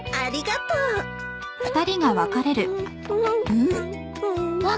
うん？